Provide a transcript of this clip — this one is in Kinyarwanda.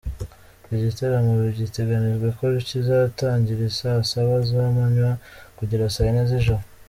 Iki gitaramo biteganijwe ko kizatangira isaa saba z’amanywa kugera saa yine z’ijoro.